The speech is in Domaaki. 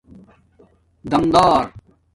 دمدار